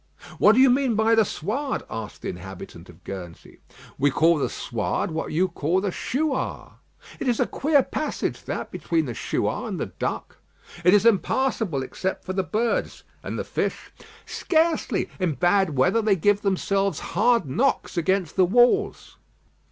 "What do you mean by the Suarde?" asked the inhabitant of Guernsey. "We call the Suarde what you call the Chouas." "It is a queer passage, that between the Chouas and the Duck." "It is impassable except for the birds." "And the fish." "Scarcely: in bad weather they give themselves hard knocks against the walls."